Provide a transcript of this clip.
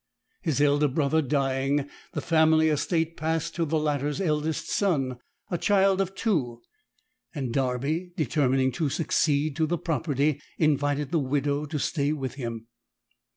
His elder brother dying, the family estate passed to the latter's eldest son, a child of two, and Darby determining to succeed to the property, invited the widow to stay with him.